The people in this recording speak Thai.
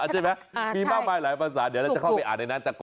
ใช่ไหมมีมากมายหลายภาษาเดี๋ยวเราจะเข้าไปอ่านในนั้นแต่ก่อน